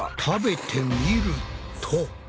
食べてみると。